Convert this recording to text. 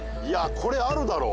これあるだろう